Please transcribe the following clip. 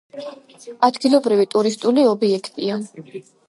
ადგილობრივი ტურისტული ობიექტია.